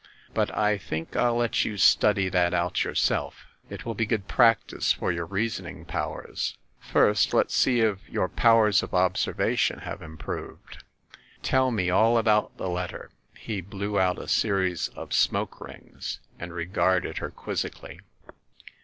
But I think I'll let you study that out yourself. It will be good practise for your reasoning powers. First, let's see if your powers of observation have improved. Tell me all about the letter." He blew out a series of smoke rings and regarded her quizzically.